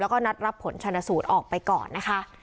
แล้วก็นัดรับผลชนสูตรออกไปก่อนนะคะ